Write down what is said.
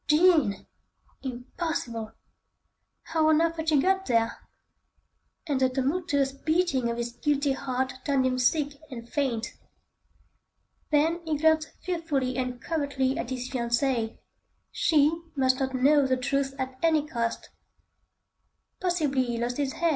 Jean! Impossible! How on earth had she got there? And the tumultuous beating of his guilty heart turned him sick and faint. Then he glanced fearfully and covertly at his fiancée. She must not know the truth at any cost. Possibly he lost his head!